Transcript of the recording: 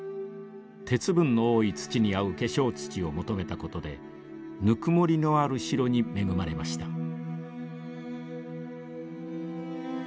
鉄分の多い土に合う化粧土を求めたことでぬくもりのある白に恵まれました。